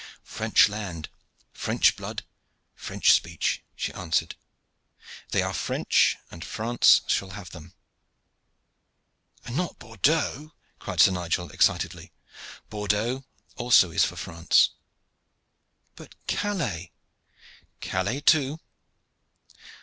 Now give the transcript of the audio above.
"French land, French blood, French speech," she answered. "They are French, and France shall have them." "But not Bordeaux?" cried Sir Nigel excitedly. "Bordeaux also is for France." "But Calais?" "Calais too."